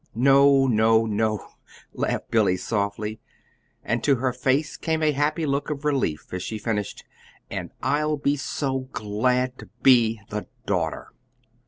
"No, oh, no," laughed Billy, softly; and to her face came a happy look of relief as she finished: "And I'll be so glad to be the daughter!"